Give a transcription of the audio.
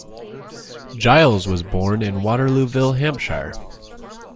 Giles was born in Waterlooville, Hampshire.